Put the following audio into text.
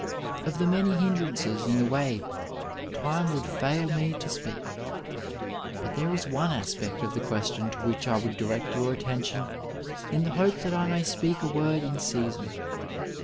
Of the many hindrances in the way time would fail me to speak, but there is one aspect of the question to which I would direct your attention in the hope that I may speak a word in season.